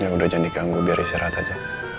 ya udah jangan diganggu biar istirahat aja